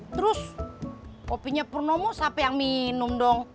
terus kopinya purnomo siapa yang minum dong